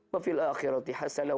wafil akhirati hasanah